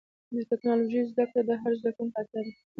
د ټکنالوجۍ زدهکړه د هر زدهکوونکي اړتیا ده.